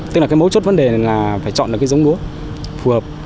tức là cái mấu chốt vấn đề là phải chọn được cái giống lúa phù hợp